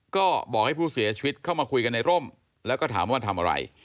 ก็บอกให้ผู้เสียชีวิตเข้ามาคุยกันในร่มแล้วก็ถามว่าทำอะไร